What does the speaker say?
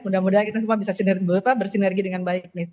mudah mudahan kita semua bisa bersinergi dengan baik